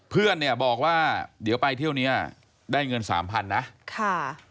เพื่อนเนี่ยบอกว่าเดี๋ยวไปเที่ยวนี้ได้เงินสามพันนะค่ะ